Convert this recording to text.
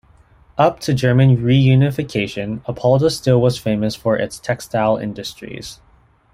Up to German reunification Apolda still was famous for its textile industries.